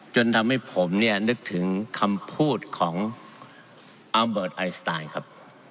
จนทำให้ผมเนี่ยนึกถึงคำพูดของอัลเบิร์ตไอสไตล์ครับ